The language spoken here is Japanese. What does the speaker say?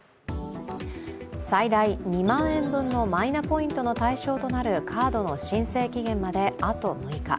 最大２万円分のマイナポイントの対象となるカードの申請期限まであと６日。